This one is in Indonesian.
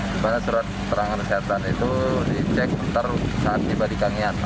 sebarang surat keterangan kesehatan itu dicek bentar saat tiba di kangean